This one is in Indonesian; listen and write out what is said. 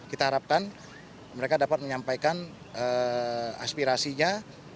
kita harapkan mereka dapat menyampaikan aspirasinya